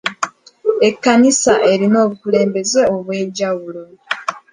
Ekkanisa erina obukulembeze obw'enjawulo.